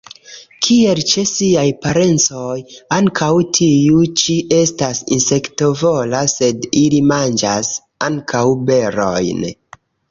Kiel ĉe siaj parencoj, ankaŭ tiu ĉi estas insektovora, sed ili manĝas ankaŭ berojn.